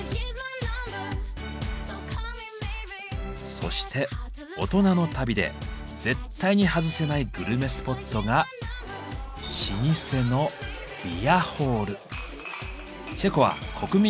そして大人の旅で絶対に外せないグルメスポットが老舗のビアホール。